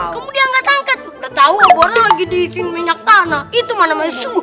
kamu diangkat angkat udah tau obornya lagi diisi minyak tanah itu mana masu